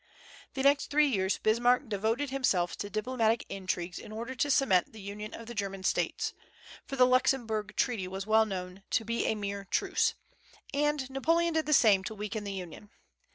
The next three years Bismarck devoted himself to diplomatic intrigues in order to cement the union of the German States, for the Luxemburg treaty was well known to be a mere truce, and Napoleon did the same to weaken the union.